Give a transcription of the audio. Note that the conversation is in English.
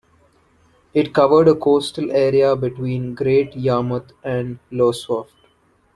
It covered a coastal area between Great Yarmouth and Lowestoft.